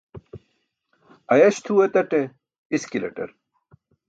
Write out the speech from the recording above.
Ayaś tʰuu etaṭe iskilaṭar